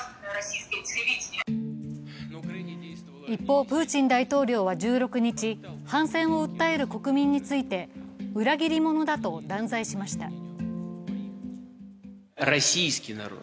一方、プーチン大統領は１６日反戦を訴える国民について裏切り者だと断罪しました。